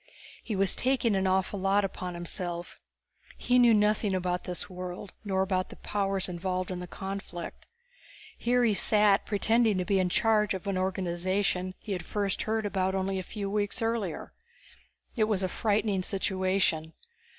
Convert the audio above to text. He was taking an awful lot upon himself. He knew nothing about this world, nor about the powers involved in the conflict. Here he sat pretending to be in charge of an organization he had first heard about only a few weeks earlier. It was a frightening situation.